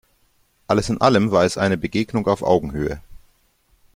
Alles in allem war es eine Begegnung auf Augenhöhe.